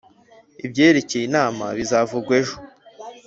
Ibyerekeye inama bizavugwa ejo.